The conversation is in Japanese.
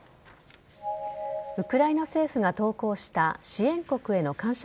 ウクライナ政府が投稿した支援国への感謝